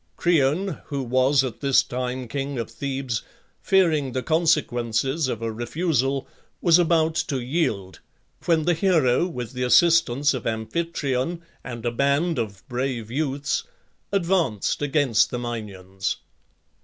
Creon, who was at this time king of Thebes, fearing the consequences of a refusal, was about to yield, when the hero, with the assistance of Amphitryon and a band of brave youths, advanced against the Minyans.